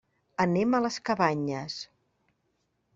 Anem a les Cabanyes.